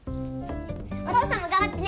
お父さんも頑張ってね！